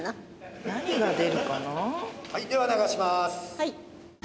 はい。